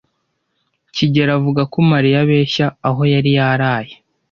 kigeli avuga ko Mariya abeshya aho yari yaraye.